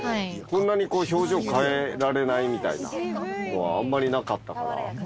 そんなに表情変えられないみたいなのはあんまりなかったから。